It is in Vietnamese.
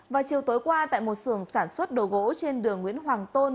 vào chiều tối qua tại một sưởng sản xuất đồ gỗ trên đường nguyễn hoàng tôn